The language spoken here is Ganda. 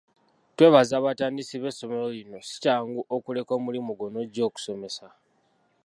Twebaza abatandisi b'essomero lino, si kyangu okuleka omulimu gwo n'oggya okusomesa.